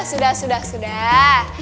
sudah sudah sudah